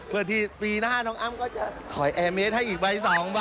เพื่อที่ปีหน้าน้องอ้ำก็จะถอยแอร์เมสให้อีกใบ๒ใบ